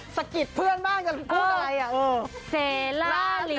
สะกิดเพื่อนบ้างจะพูดอะไรอ่ะ